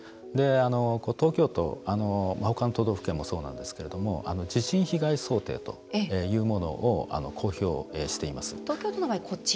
東京都、他の都道府県もそうなんですけれども地震被害想定というものを公表しています。